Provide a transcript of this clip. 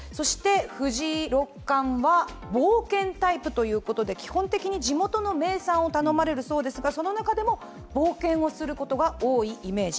藤井六冠は冒険タイプということで基本的に地元の名産を頼まれるそうですが、その中でも冒険をすることが多いイメージ。